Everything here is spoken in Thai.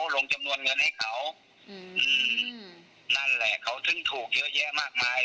ลงจำนวนเงินให้เขาอืมนั่นแหละเขาถึงถูกเยอะแยะมากมาย